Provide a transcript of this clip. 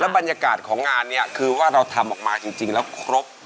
บรรยากาศของงานเนี่ยคือว่าเราทำออกมาจริงแล้วครบ